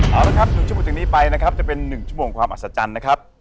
เอาละครับ๑ชั่วโมงจากนี้ไปนะครับจะเป็น๑ชั่วโมงความอัศจรรย์นะครับ